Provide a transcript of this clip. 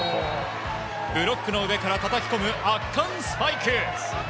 ブロックの上からたたき込む圧巻スパイク！